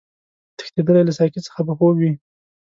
تښتېدلی له ساقي څخه به خوب وي